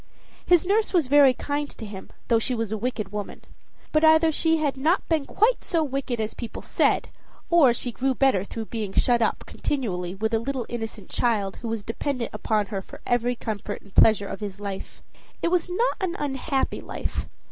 His nurse was very kind to him though she was a wicked woman. But either she had not been quite so wicked as people said, or she grew better through being shut up continually with a little innocent child who was dependent upon her for every comfort and pleasure of his life. It was not an unhappy life.